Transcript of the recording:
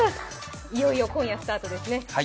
いよいよ今夜スタートですね。